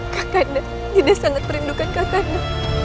kakanda dinda sangat merindukan kakanda